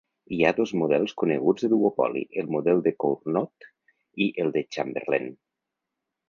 Hi ha dos models coneguts de duopoli, el model de Cournot i el de Chamberlain.